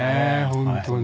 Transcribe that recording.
本当に。